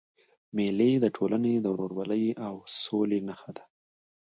مېلې د ټولني د ورورولۍ او سولي نخښه ده.